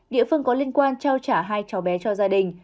địa phương có liên quan trao trả hai cháu bé cho gia đình